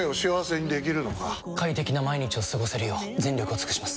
快適な毎日を過ごせるよう全力を尽くします！